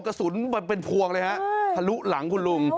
กระสุนเป็นพวงเลยฮะทะลุหลังคุณลุง